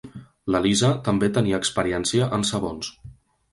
La Lisa també tenia experiència en sabons.